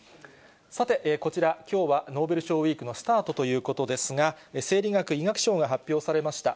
さて、こちら、きょうはノーベル賞ウイークのスタートということですが、生理学・医学賞が発表されました。